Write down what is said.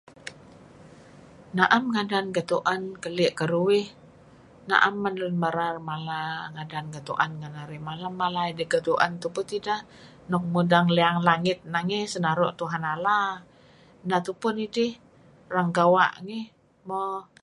Na'em ngadan getu'en keli' keduih. Na'em men lun merar mala ngadan getu'en malam, mala idih getu'en tupu tideh nuk mudeng liyang langit nangey senaru' Tuhan Alla, neh tupu nidih, erang gawa' ngih. Mo.